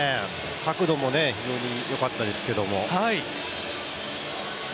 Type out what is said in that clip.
角度も非常によかったんですけど。